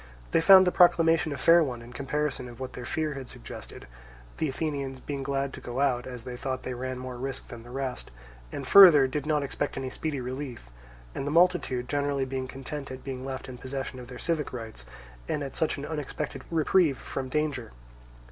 They found the proclamation a fair one in comparison of what their fear had suggested; the Athenians being glad to go out, as they thought they ran more risk than the rest, and further, did not expect any speedy relief, and the multitude generally being content at being left in possession of their civic rights, and at such an unexpected reprieve from danger.